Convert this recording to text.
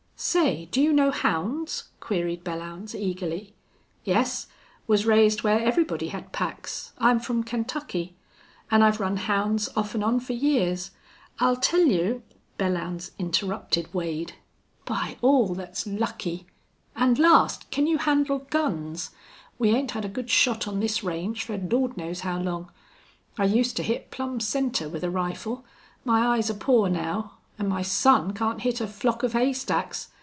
"Say, do you know hounds?" queried Belllounds, eagerly. "Yes. Was raised where everybody had packs. I'm from Kentucky. An' I've run hounds off an' on for years. I'll tell you " Belllounds interrupted Wade. "By all that's lucky! An' last, can you handle guns? We 'ain't had a good shot on this range fer Lord knows how long. I used to hit plumb center with a rifle. My eyes are pore now. An' my son can't hit a flock of haystacks.